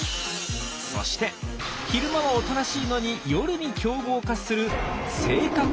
そして昼間はおとなしいのに夜に凶暴化する「性格激変ザメ」。